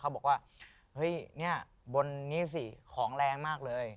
เขาบอกว่าเบ้นนี่สิของแรงมากเลย